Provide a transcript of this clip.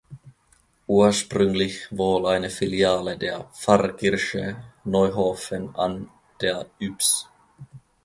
Ursprünglich wohl eine Filiale der Pfarrkirche Neuhofen an der Ybbs.